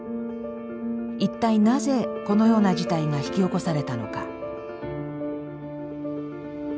一体なぜこのような事態が引き起こされたのか。